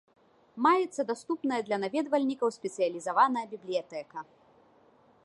Маецца даступная для наведвальнікаў спецыялізаваная бібліятэка.